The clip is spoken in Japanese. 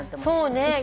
そうね。